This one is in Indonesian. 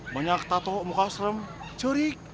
banyak tato muka serem curi